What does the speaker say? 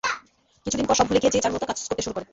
কিছু দিন পর সব ভুলে গিয়ে, যে যার মতো কাজ করতে শুরু করে।